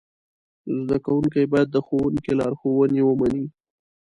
زده کوونکي باید د ښوونکي لارښوونې ومني.